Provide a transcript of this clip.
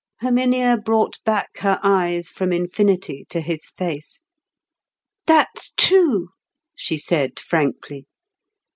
Herminia brought back her eyes from infinity to his face. "That's true," she said frankly.